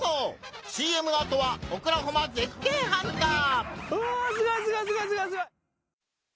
ＣＭのアトは「オクラホマ絶景ハンター」！